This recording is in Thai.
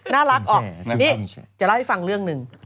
น่ารักออกนี่จะเล่าให้ฟังเรื่องหนึ่ง